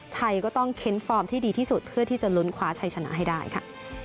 ไทยก็ต้องเค้นฟอร์มที่ดีที่สุดเพื่อที่จะลุ้นคว้าชัยชนะให้ได้ค่ะ